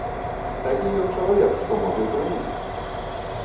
Такі ён чалавек, што можа і прымусіць.